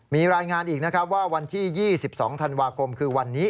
มีรายงานอีกนะครับว่าวันที่๒๒ธันวาคมคือวันนี้